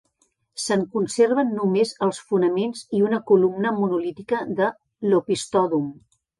Se'n conserven només els fonaments i una columna monolítica de l'opistòdom.